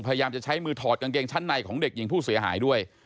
พยายามจะใช้มือถอดกางเกงชั้นในของเด็กหญิงผู้เสียหายด้วย